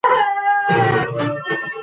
کتابونه باید په پوره دقت سره ولوستل سي.